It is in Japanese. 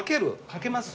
書けます？